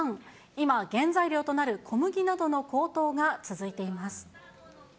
今、原材料となる小麦などの高騰が続いています。